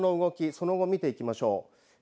その後見ていきましょう。